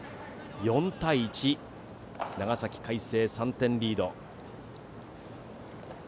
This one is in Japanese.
４対１、長崎・海星３点リード。